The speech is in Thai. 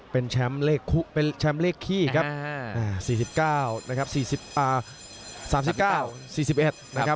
เป็นแชมป์เลขคี่ครับ๔๙นะครับ